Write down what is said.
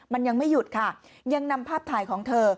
มันยังไม่หยุดค่ะยังนำภาพถ่ายของเธอ